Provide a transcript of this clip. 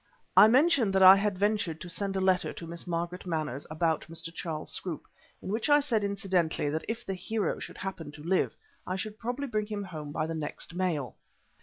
I mentioned that I had ventured to send a letter to Miss Margaret Manners about Mr. Charles Scroope, in which I said incidentally that if the hero should happen to live I should probably bring him home by the next mail.